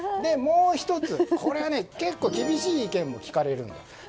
もう１つ、これは結構厳しい意見も聞かれます。